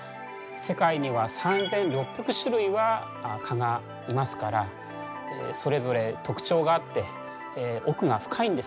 世界には３，６００種類は蚊がいますからそれぞれ特徴があって奥が深いんですよ。